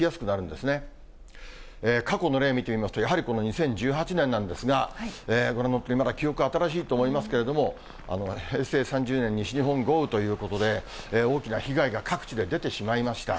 ですが、過去の例を見てみますと、やはりこの２０１８年なんですが、これ、記憶に新しいと思いますけれども、平成３０年西日本豪雨ということで、大きな被害が各地で出てしまいました。